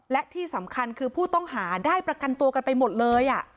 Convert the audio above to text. และที่สำคัญคือผู้ต้องหาได้ประกันตัวกันไปหมดเลย